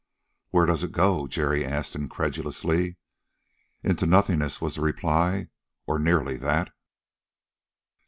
"Where does it go?" Jerry asked incredulously. "Into nothingness," was the reply. "Or nearly that!"